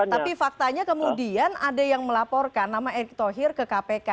tapi faktanya kemudian ada yang melaporkan nama erick thohir ke kpk